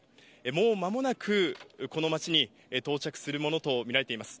もうまもなく、この町に到着するものと見られています。